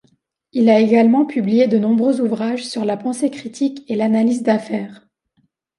Il a également publié de nombreux ouvrages sur la pensée critique et l'analyse d'affaires.